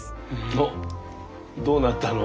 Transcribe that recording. おっどうなったの？